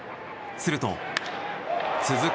すると続く